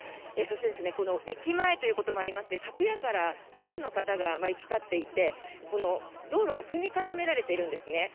そして駅前ということもありまして昨夜から多くの方が行き交っていて、道路が踏み固められているんですね。